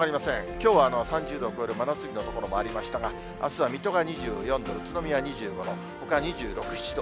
きょうは３０度を超える真夏日の所もありましたが、あすは水戸が２４度、うつなみや２、宇都宮２５度、ほか２６、７度。